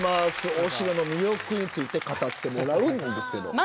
お城の魅力について語ってもらうんですけど。